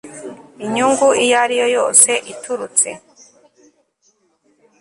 inyungu iyo ariyo yose ituritse